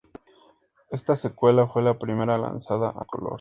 Esta secuela fue la primera lanzada a color.